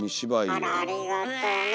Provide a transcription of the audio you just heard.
あらありがとね。